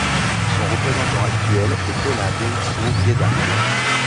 Son représentant actuel est Tola Beriso Geda.